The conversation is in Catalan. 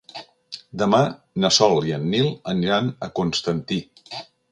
Demà na Sol i en Nil aniran a Constantí.